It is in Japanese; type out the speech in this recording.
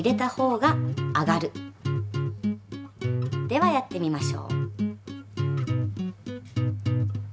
ではやってみましょう。